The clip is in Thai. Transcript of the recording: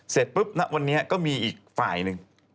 เสร็จปุ๊บณวันนี้ก็มีอีกฝ่ายหนึ่ง